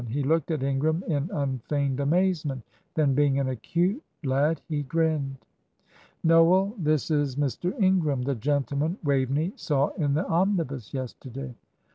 He looked at Ingram in unfeigned amazement; then, being an acute lad, he grinned. "Noel, this is Mr. Ingram, the gentleman Waveney saw in the omnibus yesterday."